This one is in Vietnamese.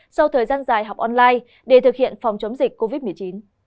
sau thời gian dài học online để thực hiện phòng chống dịch covid một mươi chín